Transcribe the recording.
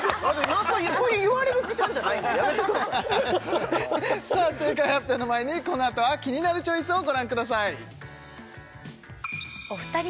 それ言われる時間じゃないんでやめてくださいさあ正解発表の前にこのあとは「キニナルチョイス」をご覧ください